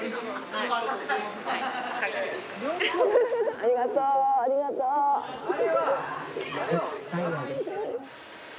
ありがとうありがとう。絶対やで。